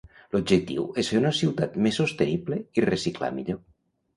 L'objectiu és fer una ciutat més sostenible i reciclar millor.